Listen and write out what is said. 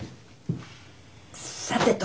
さてと。